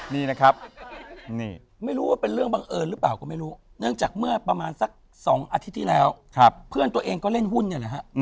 นี่นะครับไม่รู้ว่าเป็นเรื่องบังเอิญหรือเปล่าก็ไม่รู้เนื่องจากเมื่อประมาณสัก๒อาทิตย์ที่แล้วเพื่อนตัวเองก็เล่นหุ้นเนี่ยแหละฮะ